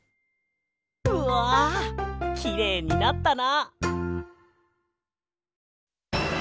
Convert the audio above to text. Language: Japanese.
うわきれいになったな。